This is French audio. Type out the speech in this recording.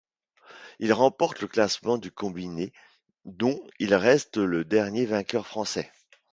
Il remporte le classement du combiné dont il reste le dernier vainqueur français.